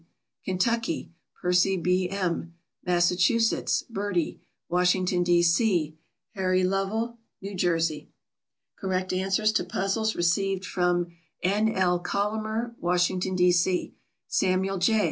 Kentucky; Percy B. M., Massachusetts; Bertie, Washington, D. C.; Harry Lovell, New Jersey. Correct answers to puzzles received from N. L. Collamer, Washington, D. C.; Samuel J.